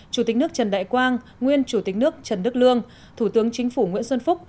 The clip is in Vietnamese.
chủ tịch nước trần đại quang nguyên chủ tịch nước trần đức lương thủ tướng chính phủ nguyễn xuân phúc